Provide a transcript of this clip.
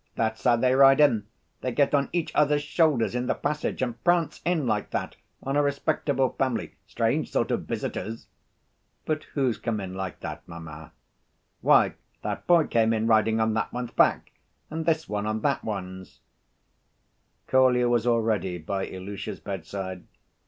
"That's how they ride in. They get on each other's shoulders in the passage and prance in like that on a respectable family. Strange sort of visitors!" "But who's come in like that, mamma?" "Why, that boy came in riding on that one's back and this one on that one's." Kolya was already by Ilusha's bedside.